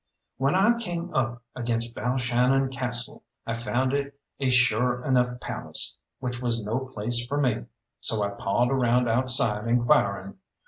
When I came up against Balshannon Castle, I found it a sure enough palace, which was no place for me, so I pawed around outside inquiring.